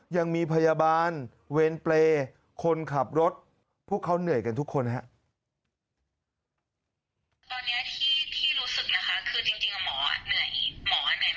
ยังมีพยาบาลเวรเปรย์คนขับรถพวกเขาเหนื่อยกันทุกคนนะครับ